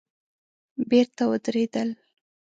بېرته ودرېدل.